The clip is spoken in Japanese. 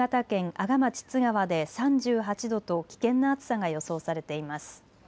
阿賀町津川で３８度と危険な暑さが予想されています。